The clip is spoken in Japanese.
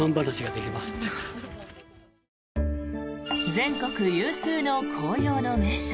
全国有数の紅葉の名所